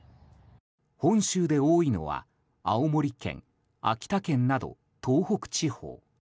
本州で多いのは青森県、秋田県など東北地方。